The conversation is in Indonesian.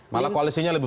malah koalisinya berbeda